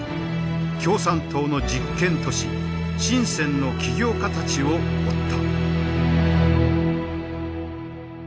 共産党の実験都市深の起業家たちを追った。